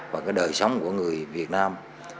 và cái đời sống của người việt nam